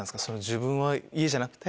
自分は家じゃなくて。